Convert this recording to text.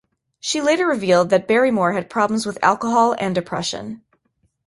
She later revealed that Barrymore had problems with alcohol and depression.